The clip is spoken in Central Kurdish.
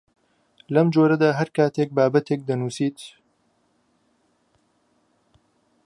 لەم جۆرەدا هەر کاتێک بابەتێک دەنووسیت